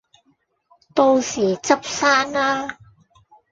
到時執生啦